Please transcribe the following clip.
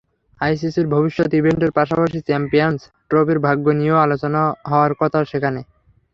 আইসিসির ভবিষ্যৎ ইভেন্টের পাশাপাশি চ্যাম্পিয়নস ট্রফির ভাগ্য নিয়েও আলোচনা হওয়ার কথা সেখানে।